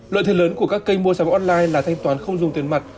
lợi thế lớn của các kênh mua sắm online là thanh toán không dùng tiền mặt